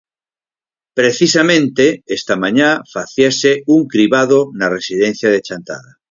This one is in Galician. Precisamente esta mañá facíase un cribado na residencia de Chantada.